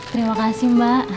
terima kasih mbak